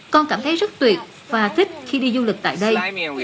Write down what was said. con cảm thấy rất tuyệt và thích khi đi du lịch tại đây